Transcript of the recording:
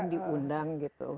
tidak mendang gitu